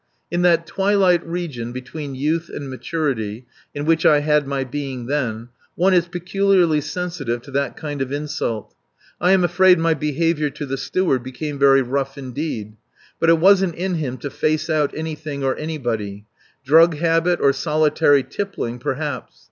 In that twilight region between youth and maturity, in which I had my being then, one is peculiarly sensitive to that kind of insult. I am afraid my behaviour to the Steward became very rough indeed. But it wasn't in him to face out anything or anybody. Drug habit or solitary tippling, perhaps.